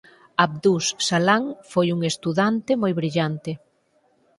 Abdus Salam foi un estudante moi brillante.